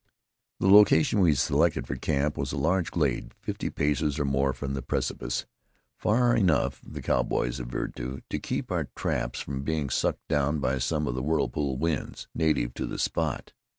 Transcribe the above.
The location we selected for camp was a large glade, fifty paces or more from the precipice far enough, the cowboys averred, to keep our traps from being sucked down by some of the whirlpool winds, native to the spot.